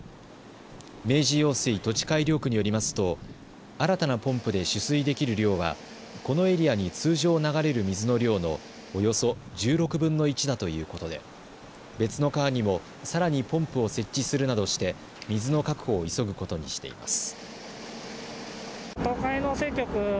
明治用水土地改良区によりますと新たなポンプで取水できる量はこのエリアに通常流れる水の量のおよそ１６分の１だということで別の川にもさらにポンプを設置するなどして水の確保を急ぐことにしています。